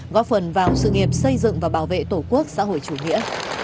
góp phần vào sự nghiệp xây dựng và bảo vệ tổ quốc xã hội chủ nghĩa